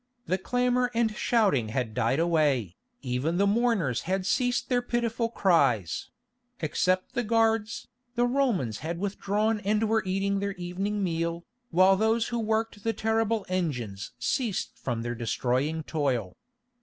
The clamour and shouting had died away, even the mourners had ceased their pitiful cries; except the guards, the Romans had withdrawn and were eating their evening meal, while those who worked the terrible engines ceased from their destroying toil.